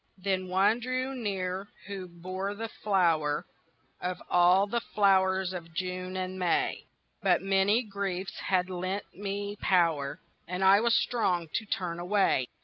Then one drew near who bore the flower Of all the flowers of June and May; But many griefs had lent me power And I was strong to turn away.